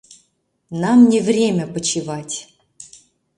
Нам не время почивать!